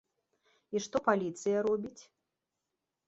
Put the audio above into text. І што паліцыя робіць?